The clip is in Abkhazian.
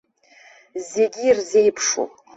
Зегьы ирзеиԥшуп.